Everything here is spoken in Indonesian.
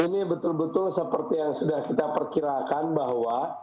ini betul betul seperti yang sudah kita perkirakan bahwa